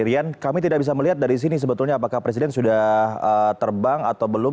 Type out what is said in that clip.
rian kami tidak bisa melihat dari sini sebetulnya apakah presiden sudah terbang atau belum